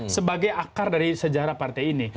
sebagai akar dari sejarah partai ini